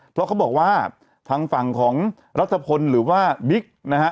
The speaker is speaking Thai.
เพราะเขาบอกว่าทางฝั่งของรัฐพลหรือว่าบิ๊กนะฮะ